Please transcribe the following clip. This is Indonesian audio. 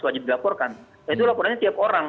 wajib dilaporkan itu laporannya tiap orang